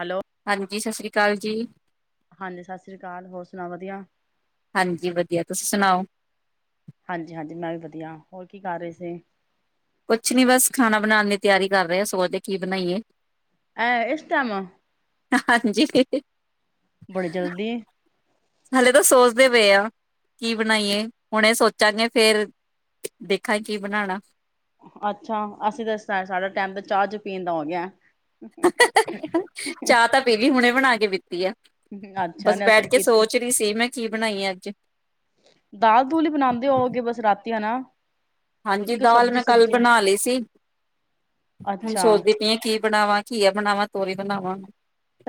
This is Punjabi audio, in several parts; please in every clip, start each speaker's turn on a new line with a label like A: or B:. A: ਹੈਲੋ
B: ਹਾਂਜੀ, ਸਤਿ ਸ੍ਰੀ ਅਕਾਲ ਕਾਲ ਜੀ।
A: ਹਾਂਜੀ ਸਤਿ ਸ੍ਰੀ ਅਕਾਲ, ਹੋਰ ਸੁਣਾ ਵਧੀਆ?
B: ਹਾਂਜੀ ਵਧੀਆ ਤੁਸੀਂ ਸੁਣਾਓ।
A: ਹਾਂਜੀ, ਹਾਂਜੀ ਮੈਂ ਵੀ ਵਧੀਆ ਹੋਰ ਕੀ ਕਰ ਰਹੇ ਸੀ।
B: ਕੁਛ ਨੀ ਬਸ ਖਾਣਾ ਬਣਾਉਣ ਲਈ ਤਿਆਰੀ ਕਰ ਰਹੇ ਸੋਚਦੇ ਕੀ ਬਣਾਈਏ?
A: ਆਹ ਇਸ ਟਾਈਮ।
B: ਹਾਂਜੀ।
A: ਬੜੀ ਜਲਦੀ?
B: ਹਲੇ ਤਾਂ ਸੋਚਦੇ ਪਏ ਆ ਕੀ ਬਣਾਈਏ ਹੁਣ ਇਹ ਸੋਚਾਂਗੇ ਫੇਰ ਦੇਖਾਂਗੇ ਕੀ ਬਣਾਉਣਾ।
A: ਅੱਛਾ, ਅਸੀਂ ਤਾਂ ਸਾਡਾ ਟਾਈਮ ਤਾਂ ਚਾਹ ਚ ਪੀਣ ਦਾ ਹੋ ਗਿਆ।
B: ਚਾਹ ਤਾਂ ਪੀਲੀ ਹੁਣੇ ਬਣਾ ਕੇ ਬਤੀ ਆ।
A: ਅੱਛਾ
B: ਬਸ
A: ਨੇ
B: ਬੈਠ
A: ਅਸਰ
B: ਕੇ
A: ਪੀਤੀ
B: ਸੋਚ ਰਹੀ ਸੀ ਮੈਂ ਕੀ ਬਣਾਈ ਆ ਅੱਜ?
A: ਦਾਲ ਦੂਲ ਹੀ ਬਣਾਉਂਦੇ ਹੋ ਅਗੇ ਬਸ ਰਾਤੀ ਹਨਾ।
B: ਹਾਂਜੀ,
A: ਕਿ
B: ਦਾਲ
A: ਸਬਜ਼ੀ
B: ਮੈਂ ਕੱਲ
A: ਸੁਬਜੀ
B: ਬਣਾ ਲਈ ਸੀ ਹੁਣ
A: ਅੱਛਾ
B: ਸੋਚਦੀ ਪਈ ਆ ਕੀ ਬਣਾਵਾਾਂ ਘੀਆ ਬਣਾਵਾਂ ਤੋਰੀ ਬਣਾਵਾਂ?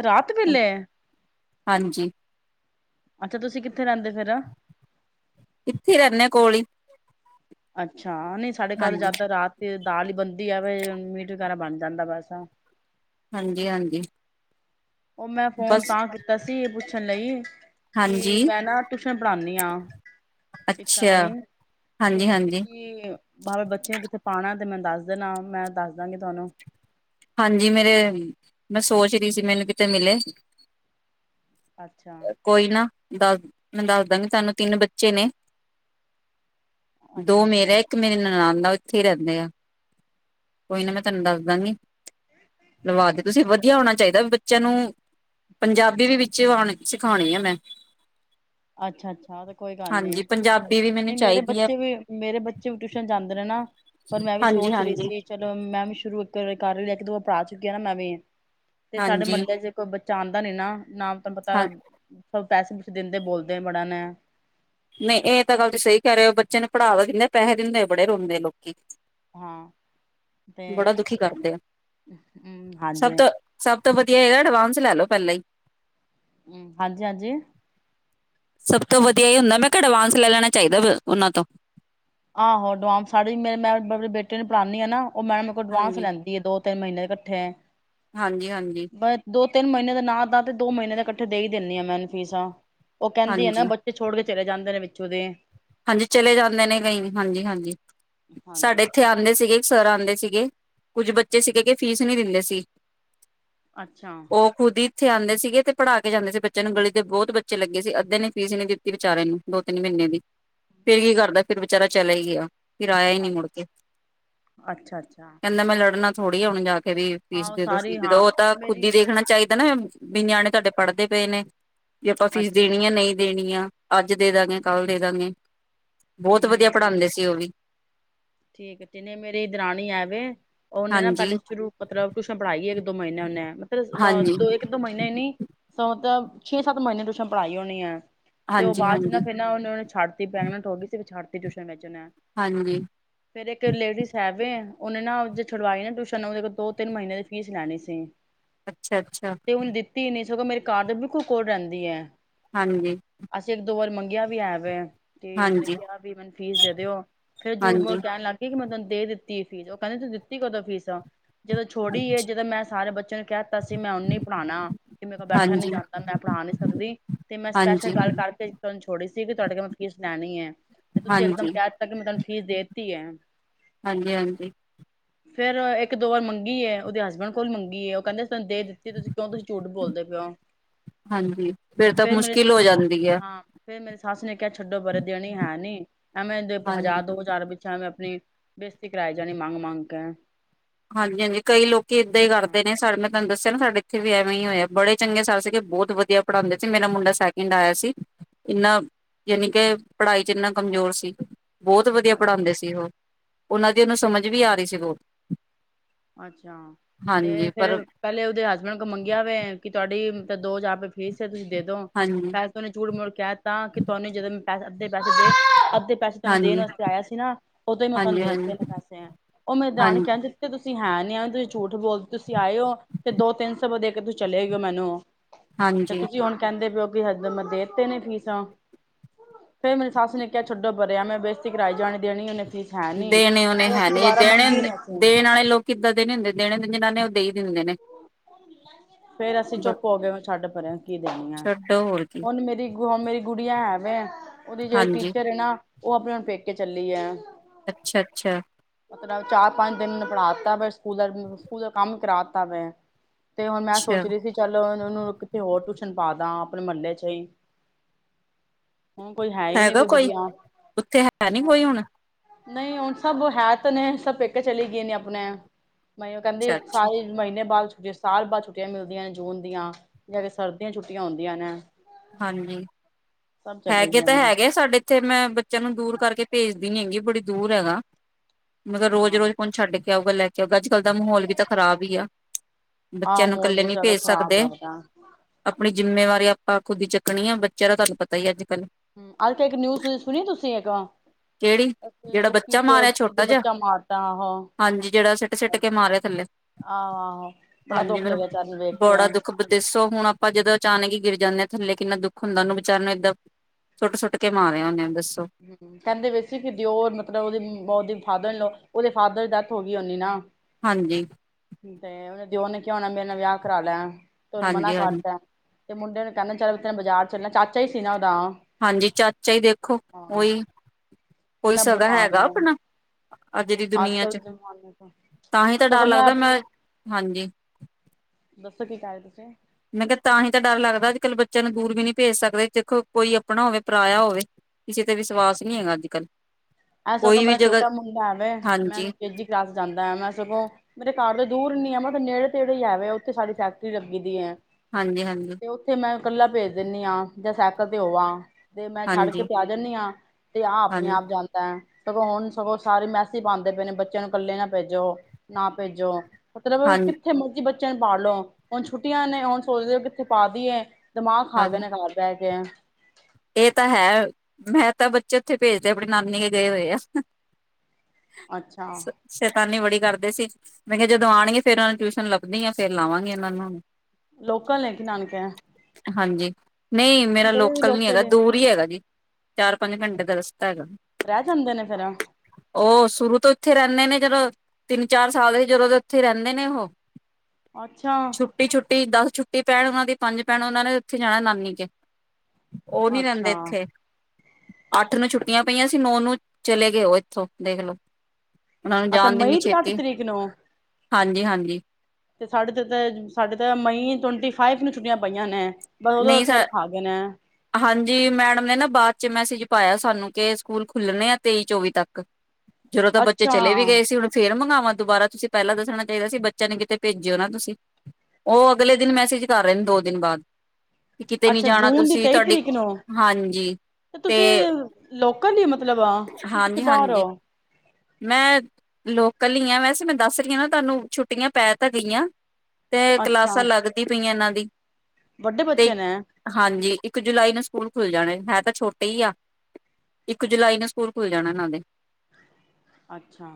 A: ਰਾਤ ਵੇਲੇ
B: ਹਾਂਜੀ।
A: ਅੱਛਾ, ਤੁਸੀਂ ਕਿੱਥੇ ਰਹਿੰਦੇ ਓਂ ਫਿਰ
B: ਇੱਥੇ ਰਹਿੰਦੇ ਕੋਲ ਹੀ
A: ਅੱਛਾ। ਹਾਂ ਨਹੀਂ ਸਾਡੇ ਘਰ
B: ਹਾਂਜੀ
A: ਜਿਆਦਾਤਰ ਰਾਤ ਦਾਲ ਹੀ ਬਣਦੀ ਹੈ, ਮੀਟ ਵਗੈਰਾ ਬਣ ਆਂਦਾ ਵੈਸਾ
B: ਹਾਂਜੀ, ਹਾਂਜੀ
A: ਉਹ ਮੈਂ ਫੋਨ
B: ਬਸ
A: ਤਾਂ ਕੀਤਾ ਸੀ ਇਹ ਪੁੱਛ ਹੁਣ ਲਈ। ਕਿ
B: ਹਾਂਜੀ
A: ਮੈਂ ਨਾ ਟਿਊਸ਼ਨ ਪੜ੍ਹਾਉਂਦੀ ਹਾਂ, ਸ਼ਿਕਸ਼ਾ
B: ਅੱਛਾ
A: ਲਈ
B: ਹਾਂਜੀ
A: ਤੇ
B: ਹਾਂਜੀ
A: ਤੁਸੀਂ ਪਾਵੇ ਬੱਚਿਆਂ ਕਿਥੇ ਪਾਉਣਾ ਤੇ ਮੈਨੂੰ ਦੱਸ ਦੇਣਾ ਮੈਂ ਦੱਸ ਦਾਂਗੀ ਤੁਹਾਨੂੰ?
B: ਹਾਂਜੀ ਮੇਰੇ ਮੈਂ ਸੋਚ ਰਹੀ ਸੀ ਮੈਨੂੰ ਕਿਤੇ ਮਿਲੇ।
A: ਅੱਛਾ।
B: ਕੋਈ ਨਾ ਦੱਸ ਮੈਂ ਦੱਸ ਦਾਂਗੀ ਤੁਹਾਨੂੰ ਤਿੰਨ ਬੱਚੇ ਨੇ
A: ਅੱਛਾ
B: ਦੋ
A: ਅੱਛਾ
B: ਮੇਰੇ ਇੱਕ ਮੇਰੀ ਨਨਾਣ ਦਾ- ਇੱਥੇ ਰਹਿੰਦੇ ਆ, ਕੋਈ ਨਾ ਮੈਂ ਤੁਹਨੂੰ ਦੱਸਦਾਂਗੀ। ਨਵਾ ਤੇ ਤੁਸੀਂ ਵਧੀਆ ਹੋਣਾ- ਚਾਹੀਦਾ ਵੀ ਬੱਚਿਆਂ ਨੂੰ- ਪੰਜਾਬੀ ਵੀ ਵਿੱ- ਸਿਖਾਉਣੀ ਆ ਮੈਂ।
A: ਅੱਛਾ ਅੱਛਾ ਤੇ ਕੋਈ ਗੱਲ ਨੀ,
B: ਹਾਂਜੀ ਪੰਜਾਬੀ ਵੀ ਮੈਨੂੰ
A: ਨਹੀਂ ਮੇਰੇ
B: ਚਾਹੀਦੀ ਹੈ
A: ਬੱਚੇ ਵੀ ਮੇਰੇ ਬੱਚੇ ਵੀ ਟਿਊਸ਼ਨ ਜਾਂਦੇ ਨੇ ਨਾ, ਪਰ ਮੈਂ ਵੀ
B: ਹਾਂਜੀ
A: ਸੋਚ ਰਹੀ
B: ਹਾਂਜੀ
A: ਸੀ ਚਲੋ ਮੈਂ ਵੀ- ਸ਼ੁਰੂ ਤਾਂ ਮੈਂ ਕਰ ਹੀ ਲਿਆ ਇੱਕ ਤਾਂ ਪੜਾ ਚੁੱਕੀ ਆ ਮੈਂ ਵੀਂ। ਤੇ ਸਾਡੇ
B: ਹਾਂਜੀ
A: ਮੁਹੱਲੇ ਚ ਕੋਈ ਬ- ਜਾਣਦਾ ਨੀ ਨਾ। ਨਾਮ ਤਾਂ
B: ਹਾਂ
A: ਪਤਾ- ਪ੍ਰੋਫੈਸ਼ਨ ਚ ਦਿੰਦੇ ਬੋਲ- ਕੇ ਬੜਾ ਨੇ-
B: ਨਹੀਂ ਇਹ ਤਾਂ ਗੱਲ ਤੁਸੀ ਸਹੀ ਰਹੇ ਹੋ ਬੱਚੇ ਨੇ ਪੜ੍ਹਾਵਾ ਕਿੰਨੇ ਪੈਸੇ ਦਿੰਦੇ ਬੜੇ ਰੋਂਦੇ ਲੋਕੀ-
A: ਹਾਂ ਤੇ
B: ਬੜਾ ਦੁਖੀ ਕਰਦੇ ਆ
A: ਹਮ,
B: ਸਭ
A: ਹਾਂਜੀੇ।
B: ਤੋਂ ਸਭ ਤੋਂ ਵਧੀਆ ਹੈਗਾ ਐਡਵਾਂਸ ਲੈ ਲਓ ਪਹਿਲਾਂ ਹੀ।
A: ਹਮ ਹਾਂਜੀ ਹਾਂਜੀ।
B: ਸਭ ਤੋਂ ਵਧੀਆ ਇਹ ਹੀ ਹੁਨਾ- ਮੈਂ ਕਿਹਾ ਅਡਵਾਂਸ ਲੈ ਲੈਣਾ ਚਾਹੀਦਾ ਵ, ਉਹਨਾਂ ਤੋਂ।
A: ਆਹੋ ਅਡਵਾਂਸ ਆਲ਼ੀ ਮੇ ਮੈਂ ਮੇਰੇ ਬੇਟੇ ਨੂੰ ਪੜਾਨੀ ਆ ਨਾ- ਉਹ ਮੈਡਮ ਮੇਰੇ ਕੋਲੋ ਐਡਵਾਂਸ
B: ਹਾਂਜੀ,
A: ਲੈਂਦੀ ਐ ਦੋ- ਤਿੰਨ ਮਹੀਨੇ ਇਕੱਠੇ-
B: ਹਾਂਜੀ ਹਾਂਜੀ।
A: ਬ ਦੋ ਤਿੰਨ ਮਹੀਨੇ ਦੇ ਨਾ ਤਾਂ ਦੋ ਮਹੀਨੇ ਦੇ ਇਕੱਠੇ ਦੇ ਹੀ ਦਿੰਨੀ ਆ ਮੈਂ ਉਹਨੂੰ ਫੀਸ। ਉਹ ਕਹਿੰਦੀ ਹੈ ਨਾ
B: ਹਾਂਜੀ,
A: ਬੱਚੇ ਛੋੜ ਕੇ- ਚਲੇ ਜਾਂਦੇ ਨੇ ਵਿੱਚੋਂ ਦੇ-
B: ਹਾਂਜੀ ਚਲੇ ਜਾਂਦੇ ਨੇ ਕਈ ਹਾਂਜੀ ਹਾਂਜੀ। ਸਾਡੇ
A: ਹਾਂਜੀ
B: ਇੱਥੇ ਆਂਦੇ ਸੀਗੇ- ਸਰ ਆਂਦੇ ਸੀਗੇ ਕੁਝ ਬੱਚੇ ਸੀਗੇ ਕਿ ਫੀਸ ਨੀ ਦਿੰਦੇ ਸੀ।
A: ਅੱਛਾ
B: ਉਹ ਖੁਦੀ- ਇੱਥੇ ਆਂਦੇ ਸੀ ਤੇ ਪੜਾ ਕੇ ਜਾਂਦੇ ਸੀ ਬੱਚਿਆਂ ਨੂੰ ਗਲੀ ਦੇ ਬਹੁਤ ਬੱਚੇ ਲੱਗੇ ਸੀ। ਅੱਧੇ ਨੇ ਫੀਸ ਹੀ ਨੀ ਦਿੱਤੀ ਵਿਚਾਰੇ ਨੂੰ, ਦੋ ਤਿੰਨ ਮਹੀਨੇ ਦੀ। ਫੇਰ ਕੀ ਕਰਦਾ ਫਿਰ ਵਿਚਾਰਾ ਚਲਾ ਹੀ ਗਿਆ। ਫਿਰ ਆਇਆ ਹੀ ਨੀ ਮੁੜ
A: ਅੱਛਾ
B: ਕੇ।
A: ਅੱਛਾ ਅੱਛਾ
B: ਕਹਿੰਦਾ ਮੈਂ ਲੜਨਾ ਥੋੜ੍ਹੀ ਆ ਹੁਣ ਜਾ ਕੇ ਵੀ ਫੀਸ
A: ਆਹੋ
B: ਦੇ ਦੋ
A: ਸਾਰੀ
B: ਫੀਸ ਦੇ ਦੋ।
A: ਹਾਂ
B: ਉਹ ਤਾਂ ਖੁਦ
A: ਮੇਰੀ
B: ਹੀ ਦੇਖਣਾ ਚਾਹੀ- ਹਨਾ ਵੀ ਨਿਆਣੇ ਤੁਹਾਡੇ ਪੜ੍ਹਦੇ ਪਏ ਨੇ- ਵੀ ਆਪਾਂ ਫੀਸ
A: ਅੱਛਾ
B: ਦੇਣੀ ਆ? ਨਹੀਂ ਦੇਣੀ ਆ? ਅੱਜ ਦੇ ਦਾਂਗੇ, ਕੱਲ- ਦੇ ਦਾਂਗੇ ਬਹੁਤ ਵਧੀਆ
A: ਹਮ ਨਹੀਂ
B: ਪੜਾਂਦੇ ਸੀ ਉਹ ਵੀ
A: ਠੀਕ ਤੇਨੇ ਮੇਰੀ ਦਰਾਣੀ ਹੈਵੇ ਉਹਨੇ ਨਾ
B: ਹਾਂਜੀ,
A: ਪਹਿਲੇ ਸ਼ੁਰੂ ਮਤਲਬ ਟਊਸ਼ਨ ਪੜ੍ਹਾਈ ਹੈ ਦੋ ਮਹੀਨੇ ਮਤਲਬ
B: ਹਾਂਜੀ,
A: ਦੋ ਇੱਕ ਦੋ ਮਹੀਨੇ ਹੀ ਨੀ ਛੇ ਸੱਤ ਮਹੀਨੇ ਟਿਊਸ਼ਨ ਪੜ੍ਹਾਈ ਹੋਣੀ ਹੈ। ਤੇ ਉਹ
B: ਹਾਂਜੀ,
A: ਬਾਅਦ ਚ ਨਾ
B: ਹਾਂਜੀ,
A: ਫ਼ਿਰ ਨਾ ਉਹਨੇ ਛੱਡਤੀ ਪ੍ਰੈਗਨੈਂਟ ਹੋ ਗਈ ਸੀ ਛੱਡਤੀ। ਤੇ ਟਿਊਸ਼ਨ ਉਹਨੇ
B: ਹਾਂਜੀ।
A: ਫੇਰ ਇੱਕ ਲੇਡੀਜ਼ ਹੈ ਵੇ ਉਹਨੇ ਨਾ ਛੁਡਵਾਈ ਨਾ ਟਿਊਸ਼ਨ ਉਹਦੇ ਦੋ ਤਿੰਨ ਮਹੀਨੇ ਦੀ ਫੀਸ ਲੈਣੀ ਸੀ।
B: ਅੱਛਾ-ਅੱਛਾ
A: ਤੇ ਉਹਨੇ ਦਿੱਤੀ ਨੀ ਮੇਰੇ ਘਰ ਦੇ ਬਿਲਕੁਲ ਕੋਲ ਰਹਿੰਦੀ ਹੈ।
B: ਹਾਂਜੀ,
A: ਅਸੀਂ ਇੱਕ ਦੋ ਵਾਰ ਮੰਗੀ ਕਿਆ ਵੀ ਹੈ ਵੇਂ ਤੇ ਉਹਨੇ
B: ਹਾਂਜੀ,
A: ਕਿਹਾ ਵੀ ਮੈਨੂੰ ਫੀਸ ਦੇ ਦਿਓ ਫੇਰ ਜੂੜ ਬੋਲ
B: ਹਾਂਜੀ,
A: ਕੇ ਕੀ ਮੈਂ ਤੁਹਾਨੂੰ ਦੇ ਦਿੱਤੀ ਫੀਸ ਉਹ ਕਹਿੰਦੀ ਤੂੰ ਦਿੱਤੀ ਕਦ ਫੀਸ ਜਦੋਂ ਛੋੜੀ ਏ ਜਦੋਂ ਮੈਂ ਸਾਰੇ ਬੱਚਿਆਂ ਨੂੰ ਕਹਿ ਦਿੱਤਾ ਸੀ ਮੈਂ ਨੇ ਪੜ੍ਹਾਉਣਾ ਕਿ ਮੇਰੇ ਕੋਲ ਬੈਠਣ ਨੀ
B: ਹਾਂਜੀ,
A: ਜਾਂਦਾ ਮੈਂ ਪੜ੍ਹਾ ਨੀ ਸਕਦੀ ਤੇ ਮੈਂ ਸਪੈਸ਼ਲ
B: ਹਾਂਜੀ,
A: ਗੱਲ ਕਰਕੇ ਤੁਾਨੂੰ ਛੋੜੀ ਠੀਕ ਹੈ ਤੁਹਾਡੇ ਕੋਲ ਕਿਸ਼ਤ ਲੈਣੀ ਹੈ। ਤੇ ਤੁਸੀਂ ਇੱਕਦਮ
B: ਹਾਂਜੀ।
A: ਕਹਿ ਦਿੱਤਾ ਕਿ ਮੈਂ ਤੁੂੰ ਦੇ ਕੀ ਏ
B: ਹਾਂਜੀ-ਹਾਂਜੀ
A: ਫੇਰ ਇੱਕ ਦੋ ਵਾਰ ਮੰਗੀ ਏ ਉਹਦੇ ਹਸਬੈਂਡ ਕੋਲ ਮੰਗੀ ਉਹ ਕਹਿੰਦੇ ਅਸੀਂ ਦੇ ਦਿੱਤੀ ਏ ਕਿਉਂ ਤੁਸੀਂ ਝੂੱਠ ਬੋਲਦੇ ਪਏ ਹੋ
B: ਹਾਂਜੀ ਤਾਂ
A: ਫੇਰ ਮੇਰੇ
B: ਮੁਸ਼ਕਿਲ ਹੋ ਜਾਂਦੀ ਐ,
A: ਹਾਂ ਫੇਿਰ ਮੇਰੇ ਸੱਸ ਨੇ ਕਿਹਾ ਛੱਡੋ ਬਾਰੇ ਦੇਣੀ ਹੈ ਨੀ ਐਵੇਂ
B: ਹਾਂਜੀ।
A: ਹਜ਼ਾਰ ਦੋ ਹਜ਼ਾਰ ਵਿੱਚ ਆਪਣੀ ਬੇਸਤੀ ਕਿਰਾਇ ਜ ਜਾਣੀ ਮਾਂਗ ਮਾਂਗ ਕੇ
B: ਹਾਂਜੀ-ਹਾਂਜੀ ਕਈ ਲੋਕੀ ਏਦਾਂ ਹੀ ਕਰਦੇ ਨੇ ਸਾਡੇ ਮੈਂ ਤੁਹਾਨੂੰ ਦੱਸ ਨਾ ਸਾਡੇ ਇੱਥੇ ਵੀ ਐਵੇਂ ਹੀ ਹੋਏਆ ਬੜੇ ਚੰਗੇ ਸਰ ਸੀਗੇ ਬਹੁਤ ਵਧੀਆ ਪੜ੍ਹਾਉਂਦੇ ਸੀ ਮੇਰਾ ਮੁੰਡਾ ਸੈਕਿੰਡ ਆਇਆ ਸੀ ਇੰਨਾ ਯਾਨੀ ਕੇ ਪੜ੍ਹਾਈ ਚ ਇੰਨਾ ਕਮਜ਼ੋਰ ਸੀ ਬਹੁਤ ਵਧੀਆ
A: ਅੱਛਾ
B: ਪੜ੍ਹਾਉਂਦੇ ਸੀ ਉਹ ਉਹਨਾਂ ਦੀ ਉਹਨੂੰ ਸਮਝ ਵੀ ਆ ਰਹੀ ਸੀ ਬਹੁਤ
A: ਅੱਛਾ ਤੇ
B: ਹਾਂਜੀ ਪਰ
A: ਫੇਿਰ ਪਹਿਲੇ ਉਹਦੇ ਹਸਬੈਂਡ ਮੰਗਿਆ ਹੋਵੇ ਕਿ ਤੁਹਾਡੀ, ਦੋ ਹਜ਼ਾਰ, ਫੀਸ ਤੁਸੀਂ ਦੇ ਦੋ
B: ਹਾਂਜੀ,
A: ਪੈਸੇ ਉਹਨੇ ਝੂਠ ਮੂੜ ਕਹਿ ਦਿਤਾ ਕਿ ਤੁਹਾਨੂੰ ਜਦੋਂ ਮੈਂ ਪੈਸੇ ਅੱਧੇ ਪੈਸੇ ਦੇ ਅੱਧੇ ਪੈਸੇ ਤੇ ਮੈਂ ਦੇਣ
B: ਹਾਂਜੀ, ਹਾਂਜੀ,
A: ਵਾਸਤੇ ਆਇਆ ਸੀ ਨਾ ਉਦੋਂ ਹੀ ਮੈਂ ਤੁਹਾਨੂੰ ਦੇ ਦਿੱਤੇ
B: ਹਾਂਜੀ,
A: ਨੇ ਪੈਸੇ ਉਹ ਮੇਰੇ ਦਰਾਣੀ
B: ਹਾਂਜੀ।
A: ਕਹਿਣ ਦਿੱਤੇ, ਤੁਸੀਂ ਤੁਸੀਂ ਹੈਂ ਨੀ ਆਵੇਂ ਤੁਸੀਂ ਝੂਠ ਬੋਲਦੇ ਤੁਸੀਂ ਆਏ ਹੋ ਤੇ ਦੋ ਤਿੰਨ ਸੌ ਰੁਪਏ ਦੇ ਕੇ ਤੁਸੀਂ ਚਲੇ ਗਏ ਹੋ ਮੈਨੂੰ, ਤੇ
B: ਹਾਂਜੀ
A: ਤੁਸੀਂ ਹੁਣ ਕਹਿੰਦੇ ਪਓ, ਹਸਬੈਂਡ ਨੇ ਦੇ ਦਿੱਤੇ ਨੇ ਫੀਸਾਂ ਫਿਰ ਮੇਰੀ ਸੱਸ ਨੇ ਕਿਹਾ ਛੱਡੋ ਪਰੇ ਮੈਂ ਬੇਸਤੀ ਕਰਏ ਜਾਣੀ ਦੇਣੀ ਉਹਨੇ, ਫੀਸ ਹੈ ਨੀ
B: ਦੇਣੇ ਹੋਣੇ
A: ਫੇਰ
B: ਹੈ
A: ਅਸੀਂ
B: ਨੀਂ
A: ਦੁਬਾਰਾ
B: ਦੇਣੇ
A: ਮੰਗੀ
B: ਹੁੰਦੇ
A: ਨੀ ਅਸੀਂ
B: ਦੇਣ ਵਾਲੇ ਲੋਕ, ਕਿੱਦਾਂ ਦੇ ਨ ਹੁੰਦੇ ਦੇਣੇ ਜਿਹਨਾਂ ਨੇ ਉਹ ਦੇਈ ਦਿੰਦੇ ਨੇ,
A: ਫੇਰ ਅਸੀਂ ਚੁੱਪ ਹੋ ਗਏ ਛੱਡ ਪਰੇ ਕੀ ਦੇਣੀ ਆ
B: ਛੱਡੋ ਹੋਰ ਕੀ
A: ਹੁਣ ਮੇਰੀ ਗੁੜੀਆਂ ਹੈ, ਵੇ,,,, ਉਹਦੀ ਜਿਹੜੇ
B: ਹਾਂਜੀ
A: ਟੀਚਰ ਨਾ, ਉਹ ਆਪਣੇਹੁਣ ਪੇਕੇ ਚੱਲੀ ਹੈ,
B: ਅੱਛਾ ਅੱਛਾ,,,,,
A: ਚਾਰ ਪੰਜ ਦਿਨ ਪੜ੍ਹਾ ਤ ਬਸ, [unintelligible] ਬਾਵੇ, ਤੇ ਹੁਣ ਮੈਂ ਸੋਚ
B: ਅੱਛਾ
A: ਰਹੀ ਸੀ ਚਲ ਉਹਨੂੰ ਕਿੇ ਹੋਰ ਟਿਊਸ਼ਨ ਪਾ ਦਾਂ, ਆਪਣੇ ਮੱਲੇ ਚ ਹੀ, ਹੁਣ ਕੋਈ ਹੈ ਹੀ ਨਹੀਂ
B: ਹੈਗਾ ਕੋਈ,,,,,
A: ਵਧੀਆ
B: ਉੱਥੇ ਹੈ ਨਹੀਂ ਕੋਈ ਹੁਣ,
A: ਨਹੀਂ ਹੁਣ ਸਭ ਹੈ ਤਾਂ ਨੇ ਸਭ ਪੇਕੇ ਚਲੀ ਗਏ ਨੇ ਆਪਣੇ,,,,,, ਮੈਂ ਉਹ ਕਹਿੰਦੀ
B: ਅੱਛਾ ਅੱਛਾ
A: ਸਾਰੇ ਮਹੀਨੇ ਬਾਦ, [unintelligible] ਸਾਲ ਬਾਅਦ ਛੁੱਟੀਆਂ ਮਿਲਦੀਆਂ ਨੇ ਜੂਨ,,, ਦੀਆਂ ਜਾਂ ਫਿਰ ਸਰਦੀਆਂ ਛੁੱਟੀਆਂ ਹੁੰਦੀਆਂ ਨੇ,
B: ਹਾਂਜੀ,,,,,,
A: ਸਭ ਚਲੇ
B: ਹੈਗੇ
A: ਗਏ
B: ਤਾਂ
A: ਨੇ
B: ਹੈਗੇ ਸਾਡੇ ਇੱਥੇ ਮੈਂ ਬੱਚਿਆਂ ਨੂੰ ਦੂਰ ਕਰਕੇ ਭੇਜਦੀ ਨੀ ਹੈਗੀ ਬੜੀ ਦੂਰ ਹੈਗਾ, ਮਤਲਬ ਰੋਜ਼
A: ਹਾਂ
B: ਰੋਜ਼ ਕੌਣ ਛੱਡ ਕੇ, [unintelligible] ਕਿਉਂਕਿ ਅੱਜ ਕੱਲ ਦਾ ਮਾਹੌਲ ਵੀ ਤਾਂ ਖ਼ਰਾਬ ਹੀ,,,,, ਆ
A: ਆਹ
B: ਬੱਚਿਆਂ ਨੂੰ
A: ਮਾਹੌਲ
B: ਕੱਲੇ
A: ਬਹੁਤ
B: ਨਹੀ
A: ਜ਼ਿਆਦਾ
B: ਭੇਜ
A: ਖ਼ਰਾਬ
B: ਸਕਦੇ
A: ਹੋਇਆ
B: ਆਪਣੀ ਜਿੰਮੇਵਾਰੀ ਆਖੂ ਦੀ ਚੱਕਣੀ ਆ ਬੱਚਿਆਂ ਦਾ ਤੁਹਾਨੂੰ ਪਤਾ ਹੀ ਅੱਜ,
A: ਹੂੰ ਅੱਜ ਕੱਲ ਇੱਕ ਨਿਊਜ਼ ਸੁਣੀ ਤੁਸੀਂ ਇੱਕ
B: ਕਿਹੜੀ ਜਿਹੜਾ
A: ਯੂਪੀ
B: ਬੱਚਾ
A: ਚ
B: ਮਾਰਿਆ
A: ਇੱਕ
B: ਛੋਟਾ ਜਿਹਾ
A: ਬੱਚਾ ਮਾਰਤਾ ਆਹੋ
B: ਹਾਂਜੀ ਜਿਹੜਾ ਸਿੱਟ ਸਿੱਟ
A: ਆਹੋ
B: ਕੇ ਮਾਰਿਆ ਥੱਲੇ,,,,,,
A: ਆਹੋ ਬੜਾ
B: ਹਾਂਜੀ
A: ਦੁੱਖ
B: ਮੈਨੂੰ
A: ਲੱਗਿਆ ਚੱਲ ਵੇਖ ਕੇ
B: ਬੜਾ ਦੁੱਖ ਦਿਸੋ ਹੁਣ ਆਪਾਂ ਜਦੋਂ ਅਚਾਨਕ ਗਿਰਦੇ, ੇ ਥੱਲੇ ਕਿੰਨਾੁ ਦੁੱਖ ਹੁੰਦਾ ਉਹਨੂੰ ਵਿਚਾਰੇ,,,, ਨੂੰ ਏਦਾਂ ਸੁੱਟ ਸੁੱ ਕੇ ਮਾਰਿਆ ਓਨੇ,
A: [unintelligible] ਉਹਦੇ ਫਾਦਰ ਦੀ ਡੈਥ ਹੋ ਗਈ ਓਨੀ ਨਾ,
B: ਹਾਂਜੀ,,,,
A: ਤੇ ਉਹੇ ਦਿਓ ਨੇ ਕਿਹਾ ਹੋਣਾ ਮੇਰੇ ਨਾਲ ਵਿਆਹ ਕਰਾ ਲੈ,, ਤ ਉਹਨੂੰ ਮਨਾ
B: ਹਾਂਜੀ ਹਾਂਜੀ
A: ਕਰਤਾ, ਤੇ ਮੁੰਡੇ ਨੇ ਕਹਿੰਦਾ ਚੱਲ ਤੈਨੂੰ ਬਾਜ਼ਾਰ ਚਲਾ ਚਾਚਾ ਸੀਨਾ।
B: ਹਾਂਜੀ ਚਾਚਾ ਹੀ ਦੇਖੋ। ਉਹੀ। ਕੋਈ
A: ਕਿੰਨਾ
B: ਸਦਾ
A: ਬੁਰਾ ਹਾਲ
B: ਹੈਗਾ
A: ਹੈ
B: ਆਪਣਾ ਅੱਜ ਦੀ ਦੁਨੀਆਂ
A: ਕੱਲ
B: ਚ
A: ਜ਼ਮਾਨੇ ਦਾ
B: ਤਾਂ ਹੀ ਤਾਂ ਡਰ
A: ਸਗੋਂ
B: ਲੱਗਦਾ
A: ਆਪਣੀ
B: ਮੈਂ ਹਾਂਜੀ।
A: ਦੱਸੋ ਕੀ ਕਰਦੇ ਤੁਸੀਂ।
B: ਮੈਂ ਕਿਹਾ ਤਾਂ ਹੀ ਤਾਂ ਡਰ ਲੱਗਦਾ ਅੱਜ ਕੱਲ੍ਹ ਬੱਚਿਆਂ ਨੂੰ ਦੂਰ ਵੀ ਨਹੀਂ ਭੇਜ ਸਕਦੇ ਦੇਖੋ ਕੋਈ ਆਪਣਾ ਹੋਵੇ ਪੁਰਾਆ ਹੋਵੇ ਕਿਸੇ ਤੇ ਵਿਸ਼ਵਾਸ ਨਹੀਂ ਹੈਗਾ ਅੱਜ ਕੱਲ।
A: ਐ ਸਗੋਂ ਮੇਰਾ ਛੋਟਾ ਮੁੰਡਾ ਹੈਵੇ ਮੈਂ
B: ਹਾਂਜੀ
A: ਨੀ ਕਹਿੰਦੀ ਕਲਾਸ ਜਾਂਦਾ ਹੈ ਮੈਂ ਸਗੋਂ ਮੇਰੇ ਘਰ। ਦੂਰ ਨਹੀਂ ਐ ਬਸ ਨੇੜੇ ਤੇੜੇ ਹੀ ਆਵੇ ਉੱਥੇ ਸਾਡੀ ਫੈਕਟਰੀ ਲੱਗੀ ਦੀ ਏ।
B: ਹਾਂਜੀ ਹਾਂਜੀ
A: ਤੇ ਉੱਥੇ ਮੈਂ ਇਕੱਲਾ ਭੇਜ ਦਿੰਨੀ ਆ। ਜਾਂ ਸਾਈਕਲ ਤੇ ਹੋਵਾਂ। ਤੇ ਮੈਂ ਸੜਕ
B: ਹਾਂਜੀ
A: ਤੇ ਆ ਜਾਂਦੀ ਹਾਂ ਤੇ ਆਹ ਆਪਣੇ
B: ਹਾਂਜੀ
A: ਆਪ ਜਾਂਦਾ। ਸਗੋਂ ਹੁਣ ਸਗੋਂ ਸਾਰੇ ਮੈਸੇਜ ਪਾਉਂਦੇ ਪਏ ਨੇ ਬੱਚਿਆਂ ਨੂੰ ਕੱਲੇ ਨਾ ਭੇਜੋ ਨਾ ਭੇਜੋ। ਮਤਲਬ
B: ਹਾਂਜੀ
A: ਕਿੱਥੇ ਮਰਜ਼ੀ ਬੱਚੇ। ਬੱਚਿਆਂ ਨੂੰ ਪਾ ਲਓ ਹੁਣ ਛੁੱਟੀਆਂ ਨੇ ਹੁਣ ਸੋਚਦੇ ਹੋ ਕਿੱਥੇ ਪਾ ਦੀਏ। ਦਿਮਾਗ
B: ਹਾਂਜੀ
A: ਖਾਗੇ ਨੇ ਘਰ ਬੈ ਕੇ।
B: ਇਹ ਤਾਂ ਹੈ ਮੈਂ ਤਾਂ ਬੱਚੇ ਉੱਥੇ ਭੇਜਦੇ ਆਪਣੀ ਨਾਨੀ ਕੇ ਗਏ ਹੋਏ ਆ।
A: ਅੱਛਾ
B: ਸ਼ੈਤਾਨੀ ਬੜੀ। ਕਰਦੇ ਸੀ ਮੈ ਕਿਹਾ ਜਦੋਂ ਆਉਣਗੇ ਫੇਰ ਉਹ ਨੂੰ ਟਿਊਸ਼ਨ ਲੱਭਦੀ ਆ ਫ਼ੇਰ ਲਵਾਂਗੇ ਉਹਨਾਂ ਨੂੰ।
A: ਲੋਕਲ ਨੇ ਜੀ ਨਾਨਕੇ।
B: ਹਾਂਜੀ। ਨਹੀਂ ਮੇਰਾ ਲੋਕਲ। ਹੈਗਾ ਦੂਰ ਹੀ ਹੈਗਾ। ਚਾਰ ਪੰਜ ਘੰਟੇ ਦਾ ਰਸਤਾ। ਹੈਗਾ
A: ਰਹਿ ਜਾਂਦੇ ਨੇ ਫੇਰ
B: ਉਹ ਸ਼ੁਰੂ ਤੋਂ ਇੱਥੇ ਰਹਿੰਦੇ ਨੇ। ਜਦੋਂ ਤਿੰਨ ਚਾਰ ਸਾਲ ਦੇ ਸੀ ਜਦੋਂਦੇ ਉੱਥੇ ਰਹਿੰਦੇ ਨੇ ਉਹ।
A: ਅੱਛਾ।
B: ਛੁੱਟੀ ਛੁੱਟੀ ਦਸ ਛੁੱਟੀ ਪੈਣ ਉਹਨਾਂ ਦੀ ਪੰਜ ਪੈਣ ਉਹਨਾਂ ਨੇ ਉੱਥੇ ਜਾਣਾ ਨਾਨੀ ਕੇ। ਉਹ ਨੀ ਰਹਿੰਦੇ
A: ਅੱਛਾ
B: ਇੱਥੇ। ਅੱਠ ਨੂੰ ਛੁੱਟੀਆਂ ਪਈਆਂ ਸੀ ਨੌ ਨੂੰ ਚਲੇ ਗਏ ਹੋ ਇੱਥੋਂ ਦੇਖ ਲਓ।
A: ਅਤੇ ਮਈ ਦੀ ਅੱਠ ਤਰੀਕ ਨੌ।
B: ਹਾਂਜੀ ਹਾਂਜੀ।
A: ਤੇ ਸਾਡੇ ਤੇ ਤਾਂ ਸਾਡੇ ਤਾਂ ਮਈ ਟਵੰਟੀ ਫਾਈਵ ਨੂੰ ਛੁੱਟੀਆਂ ਪਈਆਂ ਨੇ। ਬਸ ਉਦੋਂ
B: ਨਹੀਂ
A: ਸਿਰ
B: ਸਰ,
A: ਖਾ ਗਏ ਨੇ
B: ਹਾਂਜੀ ਮੈਡਮ ਨੇ ਨਾ ਬਾਅਦ ਚ ਮੈਸੇਜ ਪਾਇਆ ਸਾਨੂੰ ਕੇ, ਸਕੂਲ ਖੁੱਲਣੇ ਆ ਤੇਈ ਚੌਵੀ ਤੱਕ। ਜਦੋਂ ਤਾਂ ਬੱਚੇ
A: ਅੱਛਾ
B: ਚਲੇ ਵੀ ਗਏ ਸੀ, ਹਨ ਫੇਰ ਮੰਗਵਾ ਦੁਬਾਰਾ ਤੁਸੀਂ ਪਹਿਲਾਂ ਦੱਸਣਾ ਚਾਹੀਦਾ ਸੀ, ਬੱਚਿਆਂ ਨੂੰ ਕਿਤੇ ਭੇਜਿਓ ਨਾ ਤੁਸੀਂ, ਉਹ ਅਗਲੇ ਦਿਨ ਮੈਸੇਜ ਕਰ ਰਹੇ ਨੇ ਦੋ ਦਿਨ ਬਾਅਦ ਕੇ ਕਿਤੇ ਨੀ
A: ਅੱਛਾ
B: ਜਾਣਾ,
A: ਜੂਨ ਦੀ
B: ਤੁਸੀਂ
A: ਤੇਈ
B: ਤੁਹਾਡੀ
A: ਤਰੀਕ ਨੂੰ
B: ਹਾਂਜੀ ਤੇ
A: ਲੋਕਲ ਹੀ ਮਤਲਬ ਕਿ ਕਿਤੇ
B: ਹਾਂਜੀ
A: ਬਾਹਰ
B: ਹਾਂਜੀ,
A: ਹੋ
B: ਮੈਂ ਲੋਕ ਕੱਲੀ ਆਂ, ਵੈਸੇ ਮੈਂ ਦੱਸ ਰਹੀ ਐ ਨਾ, ਤੁਹਾਨੂੰ ਛੁੱਟੀਆਂ ਪੈ ਤਾਂ ਗਈਆਂ ਤੇ
A: ਅੱਛਾ
B: ਕਲਾਸਾਂ ਲੱਗਦੀ ਪਈਆਂ ਇਹਨਾਂ ਦੀ [unintelligible]
A: ਵੱਡੇ
B: ਤੇ
A: ਬੱਚੇ ਨੇ
B: ਹਾਂਜੀ, ਇੱਕ ਜੁਲਾਈ ਨੂੰ ਸ ਕੂਲ ਖੁੱਲ ਜਾਣੇ, ਹੈ ਤਾਂ ਛੋਟੇ ਹੀ ਆ ਇੱਕ ਜੁਲਾਈ ਨੂੰ ਸਕੂਲ ਖੁੱਲ ਜਾਣਾ ਇਹਨਾਂ ਦੇ
A: ਅੱਛਾ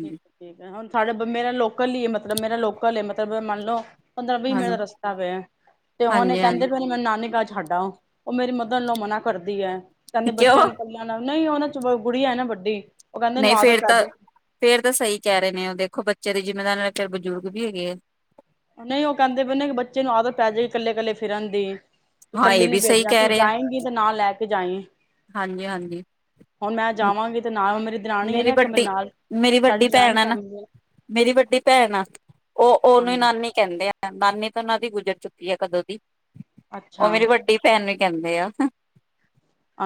A: ਠੀਕ ਠੀਕ ਹੈ, ਹੁਣ ਸਾਡਾ ਮੇਰਾ ਲੋਕਲ ਹੀ ਮਤਲਬ ਮੇਰਾ ਲੋਕਲ ਮਲ ਮੰਨ ਲੋ ਪੰਦਰਾਂ ਵੀਹ
B: ਹਾਂਜੀ
A: ਮਿੰਟ
B: ਹਾਂਜੀ
A: ਦਾ ਰਸਤਾ ਪਿਆ, ਤੇ ਹੁਣ ਇਹ ਕਹਿੰਦੇ
B: ਹਾਂਜੀ-ਹਾਂਜੀ
A: ਵੀ ਮੈਂ ਨਾਨੀ ਘਰ ਛੱਡ ਆਓ ਉਹ, ਮੇਰੀ ਮਦਰ ਇਨਲੋ ਮਨਾ ਕਰਦੀ ਐ। ਕਹਿੰਦੇ
B: ਕਿਉਂ
A: ਬੱਚਿਆਂ ਨੂੰ ਪਹਿਲਾ ਨਾਲ ਨਹੀਂ ਉਹਨਾਂ ਚ ਗੁੜੀਆ ਹੈ ਨਾ ਵੱਡੀ ਉਹ ਕਹਿੰਦੇ ਇਹਨੂੰ
B: ਨਹੀਂ ਫੇਰ
A: ਆਦਤ ਪੈ
B: ਤਾਂ
A: ਜਾਏਗੀ
B: ਫੇਰ ਤਾਂ ਸਹੀ ਕਹਿ ਰਹੇ ਨੇ, ਉਹ ਦੇਖੋ ਬੱ ਜ਼ਿੰਮੇਦਾਰ ਨਾਲ ਚ ਬਜ਼ੁਰਗ ਵੀ ਹੈਗੇ ਆ।
A: ਨਹੀਂ ਉਹ ਕਹਿੰਦੇ ਪਏ ਨੇ ਕੇ, ਬੱਚੇ ਨੂੰ ਆਦਤ ਪੈ ਜਾਏਗੀ ਕੱਲੇ ਕੱਲੇ ਫਿਰਨ ਦੀ ਤੂੰ
B: ਹਾਂ
A: ਕੱਲੀ
B: ਇਹ
A: ਨੀ
B: ਵੀ ਸਹੀ
A: ਭੇਜਣਾ, ਤੂੰ ਜਾਏਗੀ ਤੇ ਨਾ ਲੈ ਕੇ ਜਾਏ।
B: ਹਾਂਜੀ ਹਾਂਜੀ,
A: ਜਾਵਾਂਗੀ ਤੇ ਨਾਲ ਮੇਰੀ ਦਰਾਣੀ ਹੈ
B: ਮੇਰੀ
A: ਨਾ ਇੱਕ ਮੇਰੇ
B: ਵੱਡੀ
A: ਨਾਲ
B: ਮੇਰੀ
A: ਸਾਡੀ
B: ਵੱਡੀ ਭੈਣ
A: ਜੁਆਇੰਟ
B: ਆ ਨਾ
A: ਫੈਮਿਲੀ ਹੈ
B: ਮੇਰੀ ਵੱਡੀ ਭੈਣ ਆ। ਉਹ ਉਹਨੂੰ ਹੀ
A: ਹਾਂਜੀ
B: ਨਾਨੀ ਕਹਿੰਦੇ ਆ। ਨਾਨੀ ਤਾਂ ਉਹਨਾਂ ਦੀ ਗੁਜ਼ਰ ਚੁੱਕੀ ਐ, ਕਦੋਂ ਦੀ। ਉਹ
A: ਅੱਛਾ
B: ਮੇਰੀ ਵੱਡੀ ਭੈਣ ਨੂੰ ਕਹਿੰਦੇ ਆ।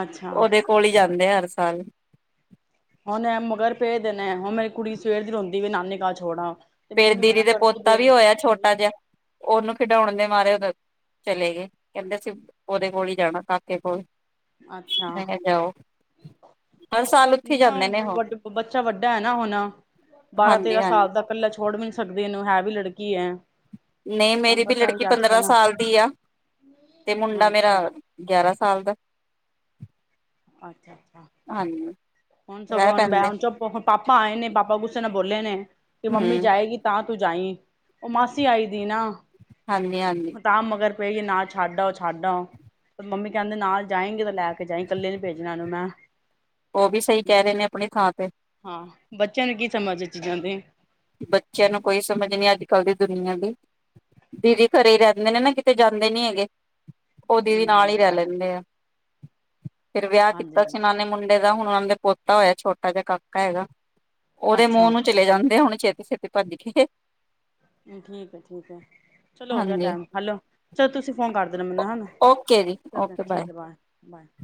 A: ਅੱਛਾ
B: ਉਹਦੇ ਕੋਲ ਹੀ ਜਾਂਦੇ ਆ ਹਰ ਸਾਲ
A: ਹੁਣ ਐ ਮਗਰ ਪਏ ਦੇ ਨੇ ਐ, ਹੁਣ ਮੇਰੀ ਕੁੜੀ ਸਵੇਰ ਦੀ ਰੋਂਦੀ ਵੀ ਨਾਨੀ ਘਰ ਛੋੜ ਆਓ। ਤੇ
B: ਫੇਰ
A: ਮੰਮੀ
B: ਦੀਦੀ
A: ਮਨਾ
B: ਦੇ
A: ਕਰਦੀ
B: ਪੋਤਾ ਵੀ ਹੋਇਆ
A: ਪਈ
B: ਛੋਟਾ ਜਿਹਾ, ਉਹਨੂੰ ਖਿਡਾਉਣ ਦੇ ਮਾਰੇ ਉਹਦੇ ਚਲੇ ਗਏ, ਕਹਿੰਦੇ ਅਸੀਂ ਉਹਦੇ ਕੋਲ ਹੀ ਜਾਣਾ ਕਾਕੇ ਕੋਲ।
A: ਅੱਛਾ
B: ਮੈਂ ਕਿਹਾ ਜਾਓ ਹਰ ਸਾਲ ਉੱਥੇ
A: ਨੀ ਨਾ
B: ਜਾਂਦੇ ਨੇ ਉਹ
A: ਵੱਡ ਬੱਚਾ ਵੱਡਾ ਐ ਨਾ ਹੁਣ, ਬਾਰਾਂ ਤੇਰਾਂ
B: ਹਾਂਜੀ-ਹਾਂਜੀ
A: ਸਾਲ ਦਾ ਕੱਲਾ ਛੱ ਛੋੜ ਵੀ ਨੀ ਸਕਦੀ, ਇਹਨੂੰ ਹੈ ਵੀ ਲੜਕੀ ਐ।
B: ਨਹੀਂ ਮੇਰੀ ਦੀ ਲੜਕੀ ਪੰਦਰਾਂ ਸਾਲ ਦੀ ਆ, ਤੇ ਮੁੰਡਾ ਮੇਰਾ
A: ਅੱਛਾ
B: ਗਿਆਰਾਂ ਸਾਲ ਦਾ।
A: ਅੱਛਾ
B: ਹਾਂ
A: ਹੁਣ
B: ਵੈ
A: ਸਗੋਂ ਹੁਣ ਮੈਂ
B: ਤਾਂਦੇ
A: ਹੁਣ ਚੁੱਪ ਪਾਪਾ ਆਏ ਨੇ ਪਾਪਾ ਗੁੱਸੇ ਨਾਲ ਬੋਲੇ ਨੇ ਕਿ ਮੰਮੀ
B: ਹਮ
A: ਜਾਏਗੀ ਤਾਂ ਤੂੰ ਜਾਈ ਉਹ ਮਾਸੀ ਆਈ ਦੀ ਨਾ
B: ਹਾਂਜੀ ਹਾਂਜੀ
A: ਹ ਤਾਂ ਮਗਰ ਕਈਏ ਨਾਲ ਛੱਡ ਆਓ ਛੱਡ ਆਓ ਤੇ ਮੰਮੀ ਕਹਿੰਦੇ ਨਾਲ ਜਾਏਗੀ ਤਾਂ ਲੈ ਕੇ ਜਾਏਗੀ ਇਕੱਲੇ ਨੀ ਭੇਜਣਾ ਉਹਨੂੰ ਮੈਂ
B: ਉਹ ਵੀ ਸਹੀ ਕਹਿ ਰਹੇ ਨੇ ਆਪਣੀ ਥਾਂ ਤੇ
A: ਹਾਂ ਬੱਚਿਆਂ ਨੂੰ ਕੀ ਸਮਝ ਚੀਜ਼ਾਂ ਤੇ
B: ਬੱਚਿਆਂ ਨੂੰ ਕੋਈ ਸਮਝ ਨਹੀਂੀ ਅੱਜ ਕੱਲ੍ਹ ਦੀ ਦੁਨੀਆਂ ਦੀ ਦੀਦੀ ਘਰੇ ਹੀ ਰਹਿੰਦੇ ਨੇ ਨਾ ਕਿਤੇ ਜਾਂਦੇ ਨੀ ਹੈਗੇ ਉਹ ਦੀਦੀ
A: ਹੂੰ
B: ਨਾਲ ਹੀ
A: ਹਾਂਜੀ
B: ਰਹਿ ਲੈਂਦੇ ਆ ਫੇਿਰ ਵਿਆਹ
A: ਹਾਂਜੀ
B: ਕੀਤਾ ਸੀ
A: ਹਾਂਜੀ
B: ਇਹਨਾਂ ਨੇ ਮੁੰਡੇ ਦਾ ਹੁਣ ਉਹਨਾਂ ਦੇ ਪੋਤਾ ਹੋਇਆ ਛੋਟਾ ਜਿ ਕਾਕਾ ਹੈਗਾ ਉਹਦੇ ਮੂੰਹ
A: ਅੱਛਾ
B: ਨੂੰ ਚਲੇ ਜਾਂਦੇ ਹੁਣ ੇਤੀ ਛੇਤੀ ਪੰਜਜੀ ਕੇ
A: ਠੀਕ ਹੈ ਠੀਕ ਹੈ ਚਲੋ ਹੋ ਗਿਆ
B: ਹਾਂਜੀ
A: ਟਾਈਮ ਹੈਲੋ ਚਲੋ ਤੁਸੀਂ ਫੋਨ ਕਰ ਮ
B: ਓਕੇ ਜੀ
A: ਚ
B: ਓਕੇ
A: ਠੀਕ ਹੈ ਬਾਏ ਬਾਏ [inaudible]